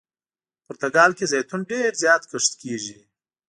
پرتګال کې زیتون ډېر زیات کښت کیږي.